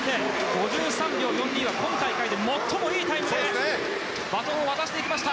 ５３秒４２は今大会で最もいいタイムでバトンを渡していきました。